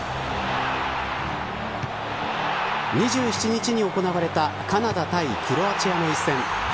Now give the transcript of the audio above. ２７日に行われたカナダ対クロアチアの一戦。